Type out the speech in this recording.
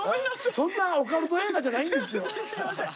そんなオカルト映画じゃないんですよ。